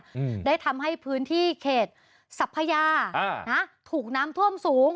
อืมได้ทำให้พื้นที่เขตสัพพยาอ่านะถูกน้ำท่วมสูง